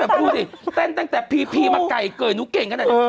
แบบดูสิแต้นตั้งแต่พีเทอร์มาไกลเก่งหนูเก่งขนาดใน